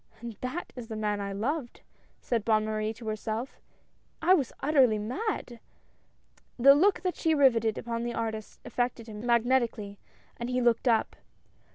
"And that is the man I loved," said Bonne Marie to herself. "I was utterly mad!" The look that she riveted upon the artist affected him magnetically, and he looked up.